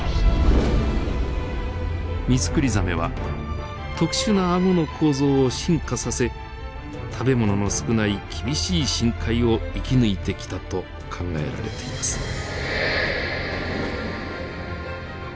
ミツクリザメは特殊な顎の構造を進化させ食べ物の少ない厳しい深海を生き抜いてきたと考えられています。